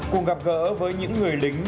cùng gặp gỡ với những người lính